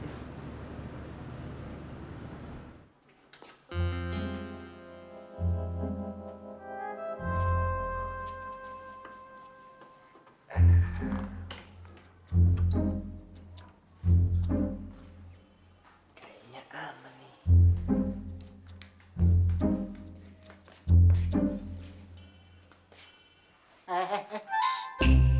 kayaknya aman nih